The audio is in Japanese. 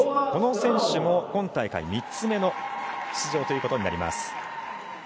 この選手も今大会３つ目の出場ということになります。